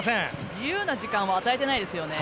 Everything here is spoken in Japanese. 自由な時間を与えていないですよね。